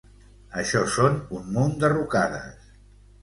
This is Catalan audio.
Això són un munt de rucades.